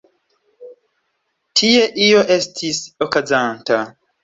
Tie io estis okazanta.